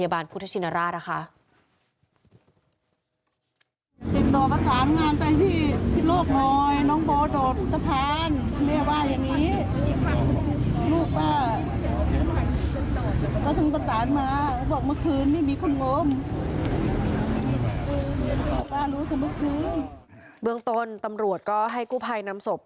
เมืองต้นตำรวจก็ให้กู้ภัยนำศพ